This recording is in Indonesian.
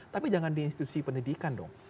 tapi jangan di institusi pendidikan dong